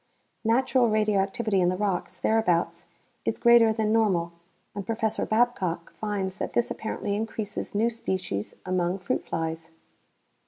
Natural radioactivity in the rocks thereabouts is greater than normal and Prof. Babcock finds that this apparently increases new species among fruit flies.